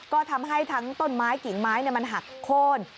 ก็ทำให้ทั้งต้นไม้กิ่งไม้มันหักโค้น